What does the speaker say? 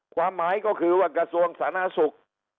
ความหมายก็คือว่ากระทรวงสาธารณสุข